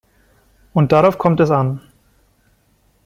Und darauf kommt es an.